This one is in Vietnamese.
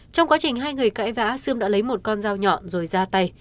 trong quá trình hai người cãi vã sươm đã lấy một con dao nhọn rồi ra tay